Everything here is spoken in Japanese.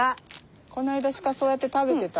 この間鹿そうやって食べてた。